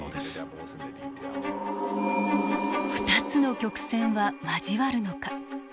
２つの曲線は交わるのか。